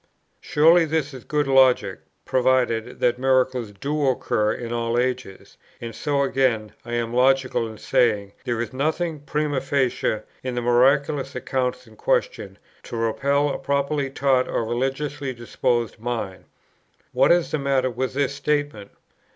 Surely this is good logic, provided that miracles do occur in all ages; and so again I am logical in saying, "There is nothing, primâ facie, in the miraculous accounts in question, to repel a properly taught or religiously disposed mind." What is the matter with this statement?